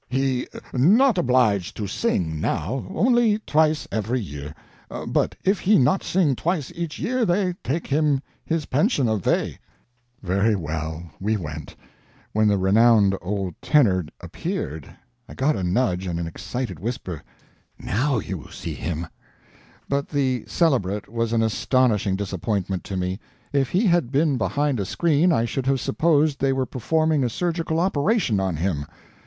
He not obliged to sing now, only twice every year; but if he not sing twice each year they take him his pension away." Very well, we went. When the renowned old tenor appeared, I got a nudge and an excited whisper: "Now you see him!" But the "celebrate" was an astonishing disappointment to me. If he had been behind a screen I should have supposed they were performing a surgical operation on him.